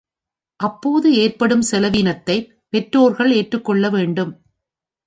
அப்போது ஏற்படும் செலவினத்தைப் பெற்றோர்கள் ஏற்றுக்கொள்ள வேண்டும்.